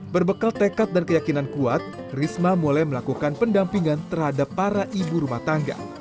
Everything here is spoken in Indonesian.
berbekal tekad dan keyakinan kuat risma mulai melakukan pendampingan terhadap para ibu rumah tangga